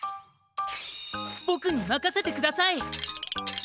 ぼくにまかせてください！